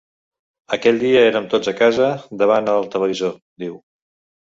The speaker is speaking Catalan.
Aquell dia érem tots a casa davant el televisor, diu.